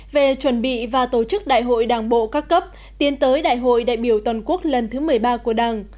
về chuẩn bị và tổ chức đại hội đảng bộ các cấp tiến tới đại hội đại biểu toàn quốc lần thứ một mươi ba của đảng